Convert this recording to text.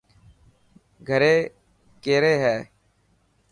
گھڙي ڪيري هي.